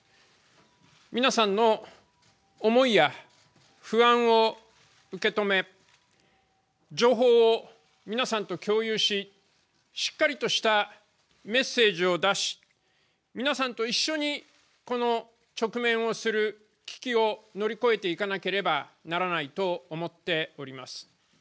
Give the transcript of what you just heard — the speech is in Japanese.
皆さんの思いや不安を受け止め、情報を皆さんと共有ししっかりとしたメッセージを出し、皆さんと一緒にこの直面をする危機を乗り越えていかなければならないと思っております。